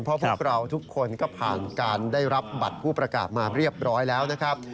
เพราะพวกเราทุกคนก็ผ่านการได้รับบัตรผู้ประกาศมาเรียบร้อยแล้วนะครับ